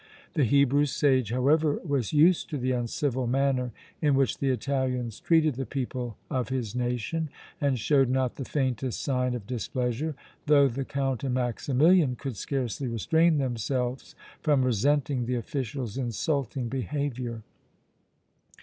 The Hebrew sage, however, was used to the uncivil manner in which the Italians treated the people of his nation and showed not the faintest sign of displeasure, though the Count and Maximilian could scarcely restrain themselves from resenting the official's insulting behavior.